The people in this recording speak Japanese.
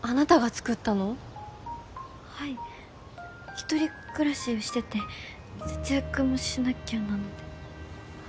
１人暮らしをしてて節約もしなきゃなので。